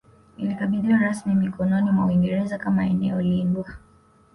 Ilikabidhiwa rasmi mikononi mwa Uingereza kama eneo lindwa